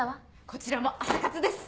こちらも朝活です！